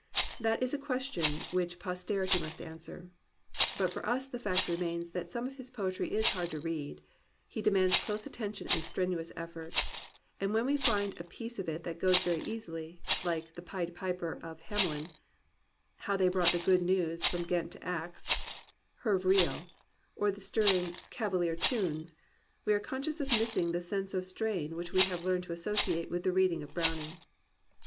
That is a question which Posterity must answer. But for us the fact remains that some of his poetry is hard to read; it demands close attention and strenuous effort; and when we find a piece of it that goes very easily, like The Pied Piper of Hamelirif How They brought the Good News from Ghent to Aixy HervS Riely or the stirring Cavalier Tunes, we are conscious of missing the sense of strain which we have learned to associate with the reading of Browning.